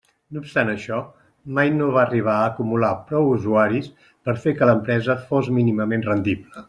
No obstant això, mai no va arribar a acumular prou usuaris per fer que l'empresa fos mínimament rendible.